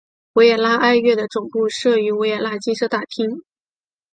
维也纳爱乐的总部设于维也纳金色大厅。